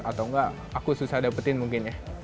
atau enggak aku susah dapetin mungkin ya